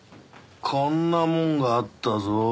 こんなもんがあったぞ。